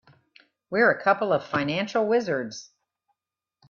We're a couple of financial wizards.